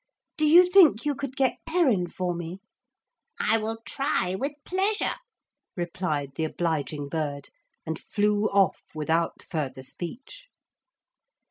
Do you think you could get Perrin for me?' 'I will try with pleasure,' replied the obliging bird, and flew off without further speech.